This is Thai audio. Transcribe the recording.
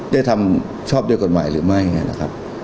ได้ทำชอบด้วยกฎหมายหรือไม่นะครับ